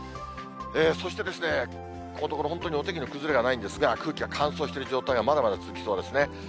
そしてこのところ、本当にお天気の崩れがないんですが、空気が乾燥している状態がまだまだ続きそうですね。